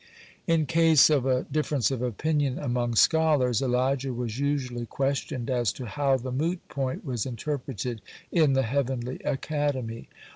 (78) In case of a difference of opinion among scholars, Elijah was usually questioned as to how the moot point was interpreted in the heavenly academy.